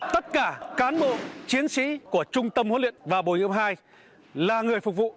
tất cả cán bộ chiến sĩ của trung tâm huấn luyện và bộ dũng dịch vụ hai là người phục vụ